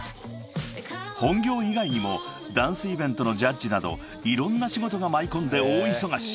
［本業以外にもダンスイベントのジャッジなどいろんな仕事が舞い込んで大忙し］